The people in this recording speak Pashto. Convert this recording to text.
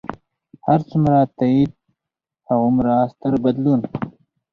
هر څومره تایید، هغومره ستر بدلون.